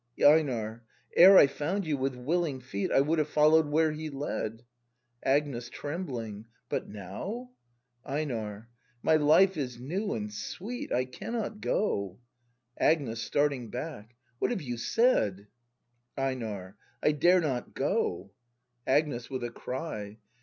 68 BRAND [act n EiNAR. Ere I found you, with willing feet I would have follow'd where he led Agnes. |f [Trembling.] But now ! EiNAR. My life is new and sweet; — I cannot go! Agnes. [Starting back.] What have you said! EiNAR. I dare not go ! Agnes. [With a cry.